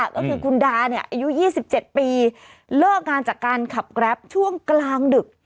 ก็คือคุณดาเนี่ยอายุ๒๗ปีเลิกงานจากการขับแกรปช่วงกลางดึก